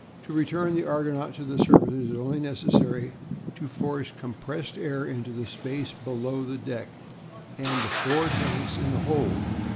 To return the Argonaut to the surface it is only necessary to force compressed air into the space below the deck and the four tanks in the hold.